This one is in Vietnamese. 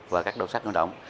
và các đồ sát nguyên động